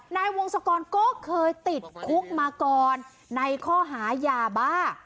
นายวงศกรก็เคยติดคุกมาก่อนในข้อหายาบ้า